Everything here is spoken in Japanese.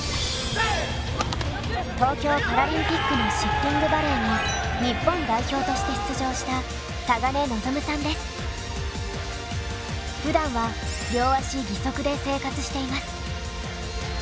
東京パラリンピックのシッティングバレーの日本代表として出場したふだんは両足義足で生活しています。